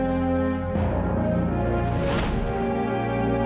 aku mau jalan